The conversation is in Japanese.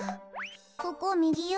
ここをみぎよ。